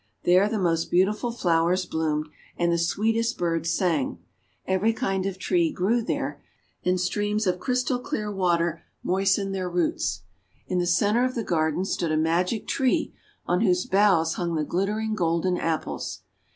There the most beautiful flowers bloomed, and the sweetest birds sang. Every kind of tree grew there, and streams of crystal clear water moistened their roots. In the centre of the garden stood a magic tree on whose boughs hung the glittering Golden Apples.